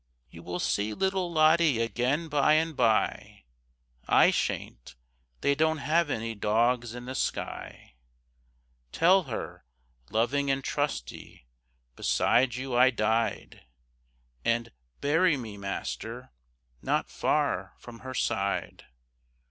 You will see little Lottie again by and by. I shan't. They don't have any dogs in the sky. Tell her, loving and trusty, beside you I died, And bury me, master, not far from her side.